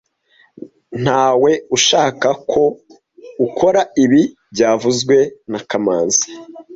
Ntawe ushaka ko ukora ibi byavuzwe na kamanzi